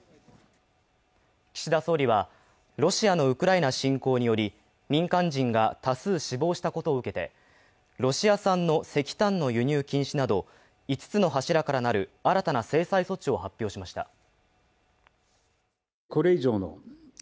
岸田総理は、ロシアのウクライナ侵攻により民間人が多数死亡したことを受けてロシア産の石炭の輸入禁止など５つの柱から成る新たな制裁措置を発表しました。